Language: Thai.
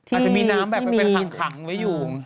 อาจจะมีน้ำแบบเป็นขังไว้อยู่